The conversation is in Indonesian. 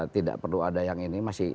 tidak perlu ada yang ini masih